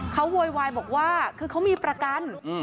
เขาโวยวายบอกว่าคือเขามีประกัน